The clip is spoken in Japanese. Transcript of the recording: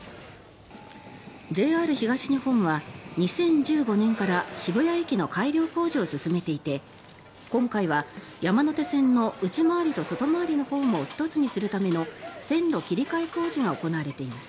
ＪＲ東日本は２０１５年から渋谷駅の改良工事を進めていて今回は山手線の内回りと外回りのホームを１つにするための線路切り替え工事が行われています。